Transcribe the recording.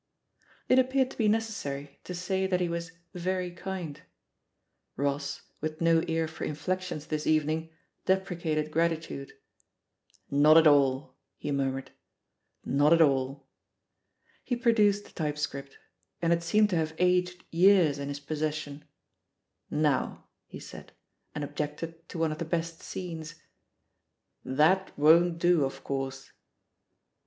It appeared to be necessary to say that he was "very kind." Ross, with no ear for inflections this evening, deprecated gratitude. "Not at all," he murmured, "not at all!" He produced the typescript — and it seemed to have aged years in his possession. "Now," he said, and objected to one of the best scenes ; "that won't do, of course."